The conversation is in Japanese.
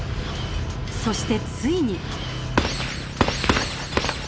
そしてついに。